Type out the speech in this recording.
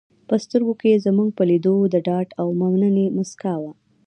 په سترګو کې یې زموږ په لیدو د ډاډ او مننې موسکا وه.